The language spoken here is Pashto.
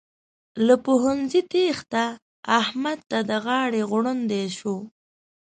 له پوهنځي تېښته؛ احمد ته د غاړې غړوندی شو.